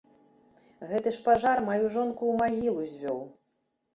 Гэты ж пажар маю жонку ў магілу звёў!